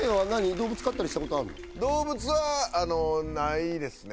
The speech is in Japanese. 動物はないですね